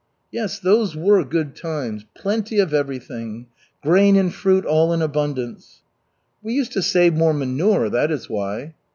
"Yes, those were good times. Plenty of everything. Grain and fruit, all in abundance." "We used to save more manure, that is why."